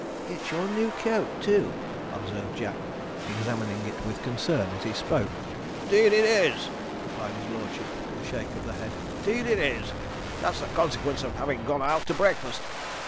'It's your new coat, too,' observed Jack, examining it with concern as he spoke. ''Deed, is it!' replied his lordship, with a shake of the head. ''Deed, is it! That's the consequence of having gone out to breakfast.